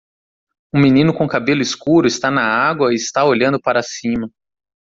Um menino com cabelo escuro está na água e está olhando para cima.